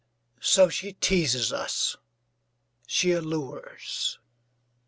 So she teases us, so she allures.